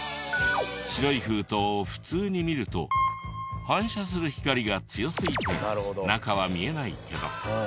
白い封筒を普通に見ると反射する光が強すぎて中は見えないけど。